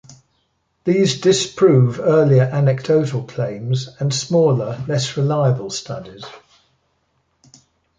These disprove earlier anecdotal claims and smaller, less reliable studies.